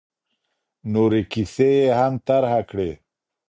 نورې کیسې یې هم طرحه کړې.